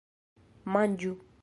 manĝu